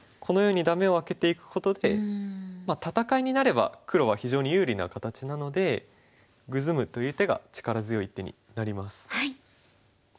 このようにダメを空けていくことで戦いになれば黒は非常に有利な形なのでグズむという手が力強い手になります。